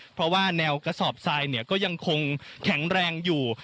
เพราะว่าแนวกระสอบทรายก็ยังคงแข็งแรงอยู่